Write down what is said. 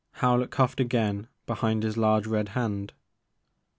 Hewlett coughed again behind his lai^ red hand.